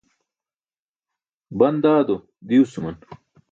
Ban dado diwsuman.